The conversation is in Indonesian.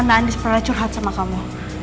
tante andis pernah curhat sama kamu